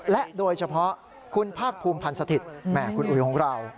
และโดยเฉพาะคุณภาคภูมิพันธ์สถิตย์แม่คุณอุ๋ยของเรา